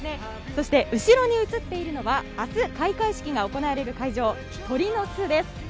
後ろに映っているのは明日、開会式が行われる会場鳥の巣です。